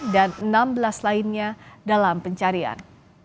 dan enam belas lainnya dalam pencarian